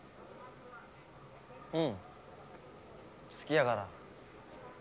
うん好きだから。